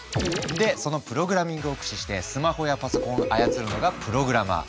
でそのプログラミングを駆使してスマホやパソコンを操るのがプログラマー。